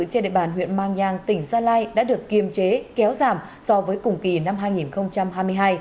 trên địa bàn huyện mang nhang tỉnh gia lai đã được kiềm chế kéo giảm so với cùng kỳ năm hai nghìn hai mươi hai